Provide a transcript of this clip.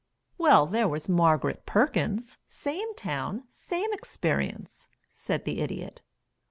"Well there was Margaret Perkins same town same experience," said the Idiot.